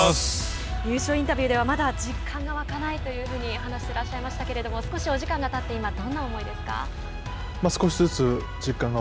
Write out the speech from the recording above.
優勝インタビューではまだ実感が湧かないと話してらっしゃいましたけど少し時間がたって今、どんな思いですか。